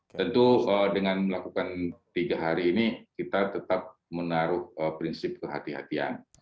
tentu dengan melakukan tiga hari ini kita tetap menaruh prinsip kehatian